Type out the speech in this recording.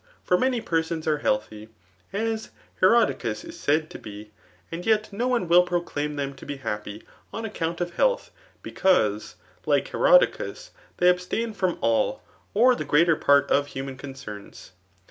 For many persons are healthy, as Herodicus is said to be ; and yet no one will proclaim them to be happy cm account of health, because [like Herodicus] they abstain horn all or the greatei: part of human concerns.